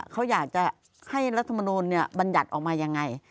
เขาอยากจะให้รัฐมนูลบัญญัติออกมายังไง